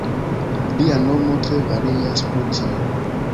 Lia nomo tre varias pro tio.